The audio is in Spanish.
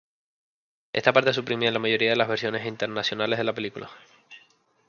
Esta parte suprimida en la mayoría de las versiones internacionales de la película.